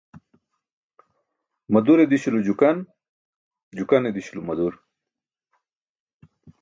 Madure di̇śulo jukan, jukane di̇śulo madur.